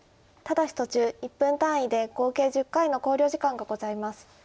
ただし途中１分単位で合計１０回の考慮時間がございます。